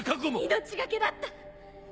命懸けだった。